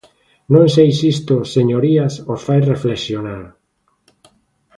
Non sei se isto, señorías, os fai reflexionar.